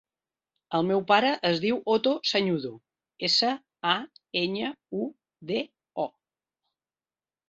El meu pare es diu Otto Sañudo: essa, a, enya, u, de, o.